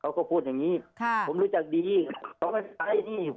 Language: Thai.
เขาก็พูดอย่างงี้ค่ะผมรู้จักดีเขาไม่ได้ตายอย่างงี้